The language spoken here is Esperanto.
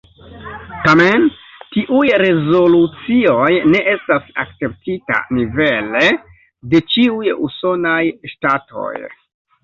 Tamen tiuj rezolucioj ne estas akceptita nivele de ĉiuj usonaj ŝtatoj.